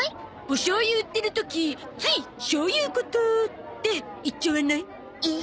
おしょうゆ売ってる時つい「しょうゆうこと」って言っちゃわない？